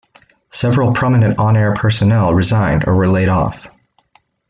Several prominent on-air personnel resigned or were laid-off.